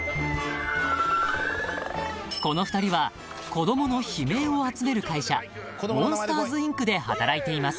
・［この２人は子供の悲鳴を集める会社モンスターズ・インクで働いています］